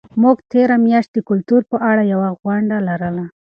موږ تېره میاشت د کلتور په اړه یوه غونډه لرله.